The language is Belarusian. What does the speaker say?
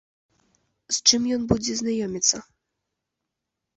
З чым ён будзе знаёміцца?